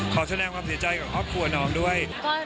ขอแสดงความเสียใจกับครอบครัวน้องด้วย